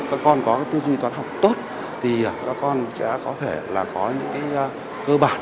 khi các con có tư duy toán học tốt thì các con sẽ có thể là có những cái cơ bản